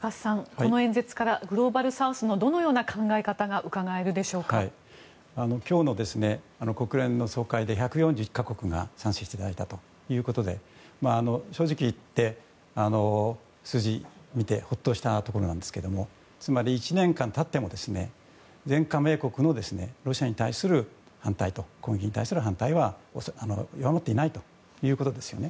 この演説からグローバルサウスのどのような考え方が今日の国連の総会で１４１か国が賛成していただいたということで正直言って、数字を見てほっとしたところなんですけどつまり、１年間経っても全加盟国のロシアに対する反対というのは上回っていないということですよね。